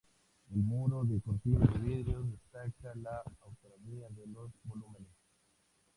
El muro de cortina de vidrios destaca la autonomía de los volúmenes.